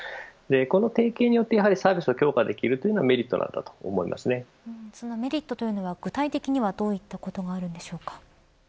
この提携によってサービスの強化できるというのがそのメリットというのは具体的には、どういったことがあるんでしょうか。